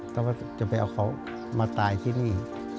แต่ว่าจะไปเอาเขามาตายที่นี่